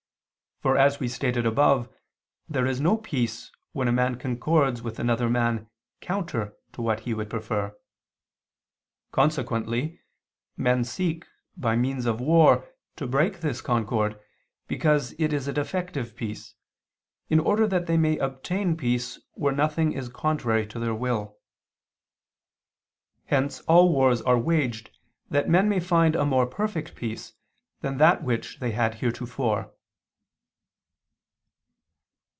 For as we stated above, there is no peace when a man concords with another man counter to what he would prefer. Consequently men seek by means of war to break this concord, because it is a defective peace, in order that they may obtain peace, where nothing is contrary to their will. Hence all wars are waged that men may find a more perfect peace than that which they had heretofore.